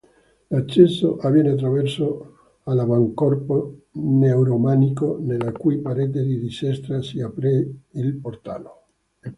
L'accesso avviene attraverso l'avancorpo neoromanico, nella cui parete di destra si apre il portale.